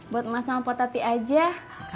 buat masam potati aja